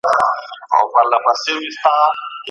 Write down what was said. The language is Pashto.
وچ به دې بیابان نه وي ته به یې او زه به یم